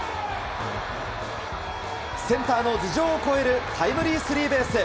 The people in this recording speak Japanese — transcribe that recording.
センターの頭上を越えるタイムリースリーベース。